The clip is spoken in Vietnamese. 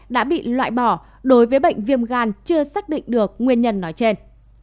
đã bị loại bỏ đối với bệnh viêm gan chưa xác định được nguyên nhân nói trên